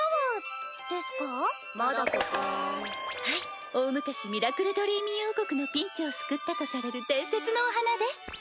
はい大昔ミラクルドリーミー王国のピンチを救ったとされる伝説のお花です。